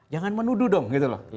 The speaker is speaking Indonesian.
jangan menuduh dong gitu loh